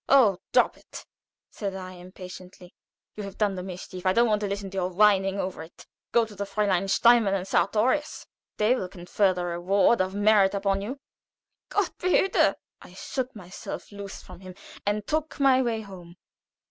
"Oh, drop it!" said I, impatiently. "You have done the mischief. I don't want to listen to your whining over it. Go to the Fräulein Steinmann and Sartorius. They will confer the reward of merit upon you." "Gott behüte!" I shook myself loose from him and took my way home.